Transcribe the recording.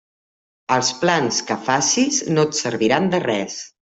Els plans que facis no et serviran de res.